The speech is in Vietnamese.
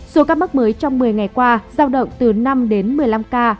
số ca mắc mới trong một mươi ngày qua giao động từ năm đến một mươi năm ca